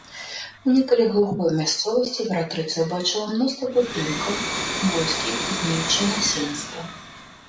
У некалі глухой мясцовасці імператрыца ўбачыла мноства будынкаў, войскі, квітнеючае насельніцтва.